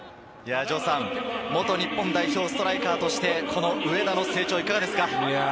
元日本代表ストライカーとしてこの上田の成長はいかがですか？